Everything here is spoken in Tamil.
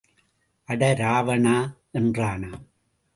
அட ராவணா என்றானாம்.